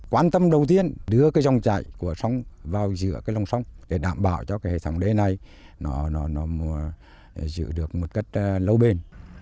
quan tâm đầu tiên đưa dòng chảy của sông vào giữa lòng sông để đảm bảo cho hệ thống đê này giữ được một cách lâu bền